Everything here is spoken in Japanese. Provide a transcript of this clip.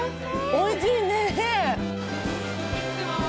おいしいねえ。